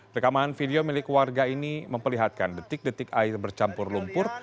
rekaman video milik warga ini memperlihatkan detik detik air bercampur lumpur